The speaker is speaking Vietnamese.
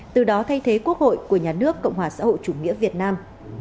từ đó thay thế quốc hội của nhà nước cộng hòa xã hội chủ nghĩa việt nam